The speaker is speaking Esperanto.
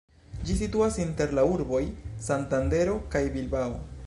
Ĝi situas inter la urboj Santandero kaj Bilbao.